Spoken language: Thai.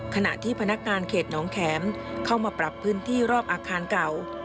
ขณะที่พนักงานเขตน้องแข็มเข้ามาปรับพื้นที่รอบอาคารเก่า